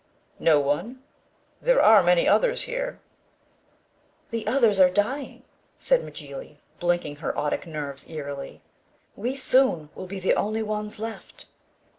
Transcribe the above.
"No one? There are many others here." "The others are dying," said Mjly, blinking her otic nerves eerily. "We soon will be the only ones left."